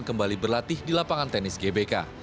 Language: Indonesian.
kembali berlatih di lapangan tenis gbk